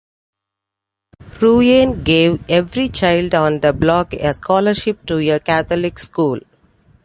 Ruane gave every child on the block a scholarship to a Catholic school.